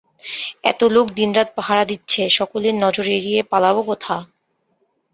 এতলোক দিনরাত পাহারা দিচ্ছে, সকলের নজর এড়িয়ে পালাব কোথা?